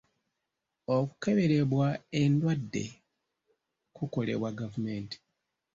Okukeberebwa endwadde kukolebwa gavumenti.